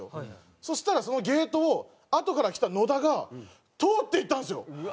そしたらそのゲートをあとから来た野田が通っていったんですよ！